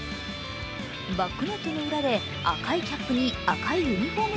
バックネットの裏で赤いキャップに赤いユニフォーム